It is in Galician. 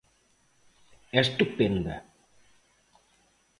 É estupenda.